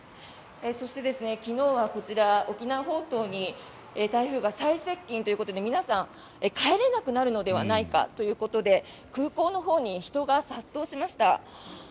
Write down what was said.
そして、昨日はこちら沖縄本島に台風が最接近ということで皆さん、帰れなくなるのではないかということで空港のほうに人が殺到しました。